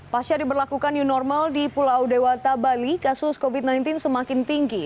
pasca diberlakukan new normal di pulau dewata bali kasus covid sembilan belas semakin tinggi